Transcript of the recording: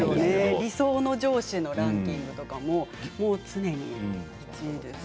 理想の上司のランキングでも常に１位ですね。